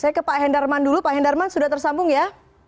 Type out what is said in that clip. saya ke pak hendarman dulu pak hendarman sudah tersambung ya